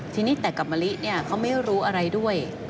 ทีนี้แต่กับมะลิเนี่ยเขาไม่รู้อะไรด้วย